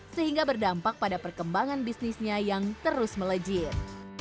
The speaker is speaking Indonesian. sehingga berdampak pada perkembangan bisnisnya yang terus melejit